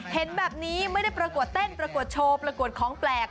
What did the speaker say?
เห็นแบบนี้ไม่ได้ประกวดเต้นประกวดโชว์ประกวดของแปลก